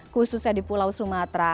khususnya di pulau sumatera